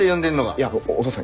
いやお父さん